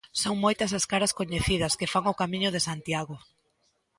Son moitas as caras coñecidas que fan o Camiño de Santiago.